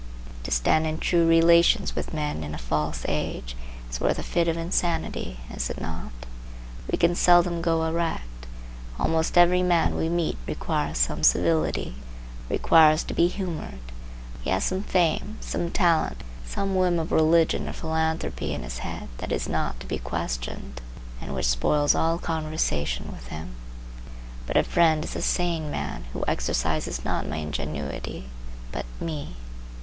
To stand in true relations with men in a false age is worth a fit of insanity, is it not? We can seldom go erect. Almost every man we meet requires some civility,—requires to be humored; he has some fame, some talent, some whim of religion or philanthropy in his head that is not to be questioned, and which spoils all conversation with him. But a friend is a sane man who exercises not my ingenuity, but me.